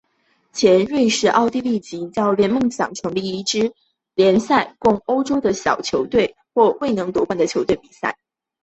前瑞士奥地利籍教练梦想为建立一项联赛供欧洲的小球队或未能夺冠的球队比赛。